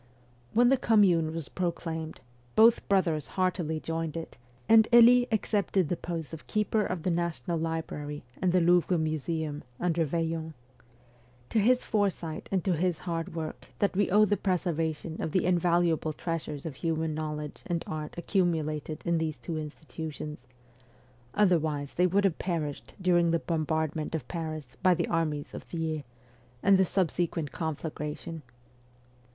When the Commune was proclaimed, both brothers heartily joined it and Elie accepted the post of keeper of the National Library and the Louvre museum under Vaillant. It was, to a great extent, to his foresight and to his hard work that we owe the preservation of the invaluable treasures of human knowledge and art accumulated in these two institutions ; otherwise they would have perished during the bombardment of Paris by the armies of Thiers, and the subsequent conflagra tion.